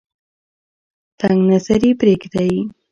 تنگ نظري پریږدئ.